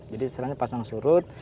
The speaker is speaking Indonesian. jadi istilahnya pasang surut